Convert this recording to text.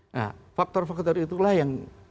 nah faktor faktor itulah yang